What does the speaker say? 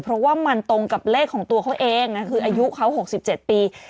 เพราะว่ามันตรงกับเลขของตัวเขาเองคืออายุเขา๖๗ปี